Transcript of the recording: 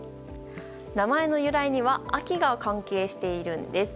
名前の由来には秋が関係しているんです。